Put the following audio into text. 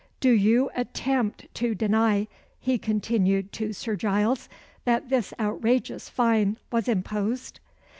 Do you attempt to deny," he continued to Sir Giles, "that this outrageous fine was imposed?"